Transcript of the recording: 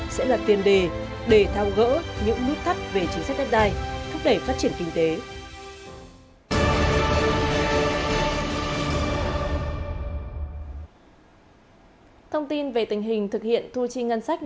sẽ là tiềm đề để thao gỡ những nút thắt về chính sách pháp luật về đất đai